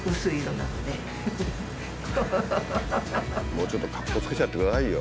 もうちょっとかっこつけちゃってくださいよ。